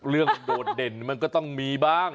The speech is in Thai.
เรื่องโดดเด่นมันก็ต้องมีบ้าง